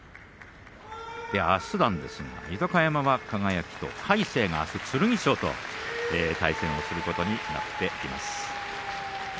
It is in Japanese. あすは豊山が輝と魁聖が剣翔と対戦をすることになっています。